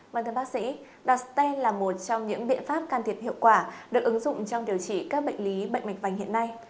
mời thưa bác sĩ đặt stent là một trong những biện pháp can thiệp hiệu quả được ứng dụng trong điều trị các bệnh lý bệnh mệnh vành hiện nay